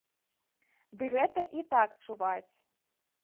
Ды гэта і так чуваць.